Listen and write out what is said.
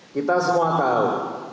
kita semua tahu